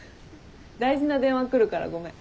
大事な電話来るからごめん。